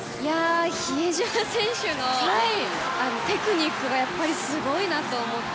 比江島選手のテクニックがすごいなと思って。